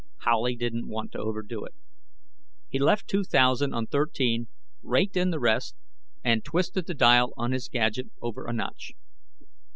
Howley didn't want to overdo it. He left two thousand on thirteen, raked in the rest, and twisted the dial on his gadget over a notch.